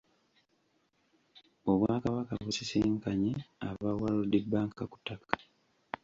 Obwakabaka busisinkanye aba World Bank ku ttaka .